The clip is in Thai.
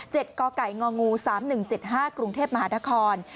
เจ็ดก่อไก่งองู๓๑๗๕กรุงเทพฯมหาทะคอน